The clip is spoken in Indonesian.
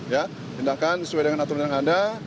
ya tindakan sesuai dengan aturan yang ada